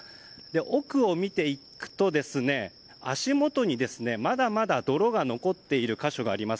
奥を見ていくと、足元にまだまだ泥が残っている箇所があります。